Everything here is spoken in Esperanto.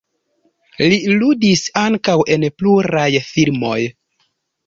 Li ludis ankaŭ en pluraj filmoj.